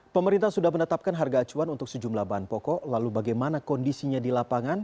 pemerintah sudah menetapkan harga acuan untuk sejumlah bahan pokok lalu bagaimana kondisinya di lapangan